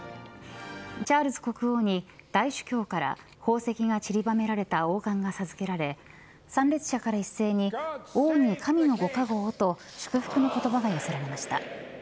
チャールズ国王に大主教から宝石がちりばめられた王冠が授けられ参列者から一斉に王に神のご加護をと祝福の言葉が寄せられました。